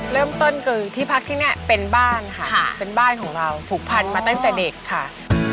เริ่มต้นคือที่พักที่นี่เป็นบ้านค่ะเป็นบ้านของเราผูกพันมาตั้งแต่เด็กค่ะ